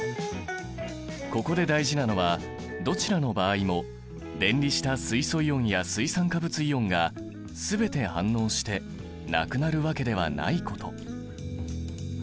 ここで大事なのはどちらの場合も電離した水素イオンや水酸化物イオンが全て反応してなくなるわけではないこと。